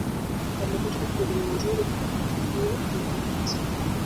walipata huduma nzuri Kwa wakati huo ulipaswa